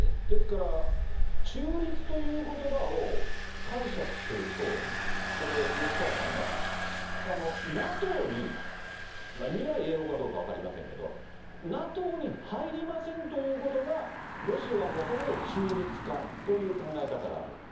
ですから、中立ということばを解釈すると、これ、吉川さんね、ＮＡＴＯに、未来永ごうかどうか分かりませんけれども、ＮＡＴＯに入りませんということが、ロシアが求める中立化という考え方がある。